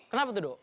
kenapa tuh do